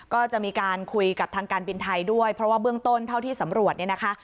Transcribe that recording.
ก็จะมีการคุยกับทางการบินไทยด้วยเพราะว่าเบื้องต้นเท่าที่สำรวจเนี่ยนะคะ